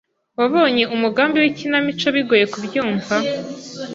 Wabonye umugambi wikinamico bigoye kubyumva?